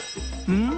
うん？